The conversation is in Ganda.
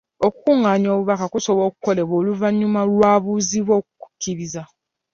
Okukungaanya obubaka kusobola kukolebwa oluvanyuma lw'abuuzibwa okukiriza.